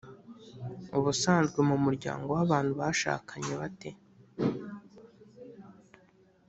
Ubusanzwe mu muryango w abantu bashakanye bate